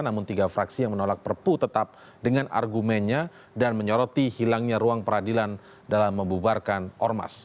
namun tiga fraksi yang menolak perpu tetap dengan argumennya dan menyoroti hilangnya ruang peradilan dalam membubarkan ormas